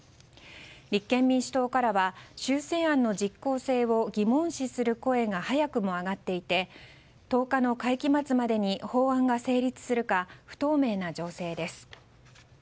立憲民主党からは修正案の実効性を疑問視する声が早くも上がっていて１０日の会期末までに法案が成立するか不透明な情勢です。